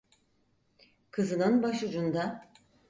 Kızının başucunda...